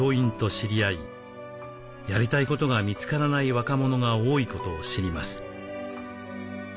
やりたいことが見つからない若者が多いことを知ります。